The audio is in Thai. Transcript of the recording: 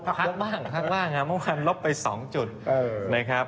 พักบ้างพักบ้างครับเมื่อวานลบไป๒จุดนะครับ